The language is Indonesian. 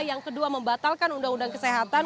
yang kedua membatalkan undang undang kesehatan